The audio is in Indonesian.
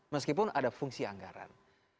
meskipun ada fungsi anggaran